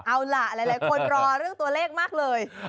เอาล่ะหลายคนรอเรื่องตัวเลขมากเลย